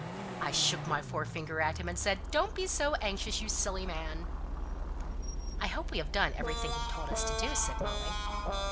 I shook my forefinger at him, and said, 'Don't be so anxious, you silly man.'" "I hope we have done everything he told us to do," said Molly.